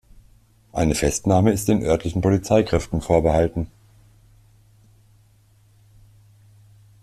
Eine Festnahme ist den örtlichen Polizeikräften vorbehalten.